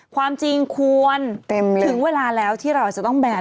ความจริงควรถึงเวลาแล้วที่เราจะต้องแบน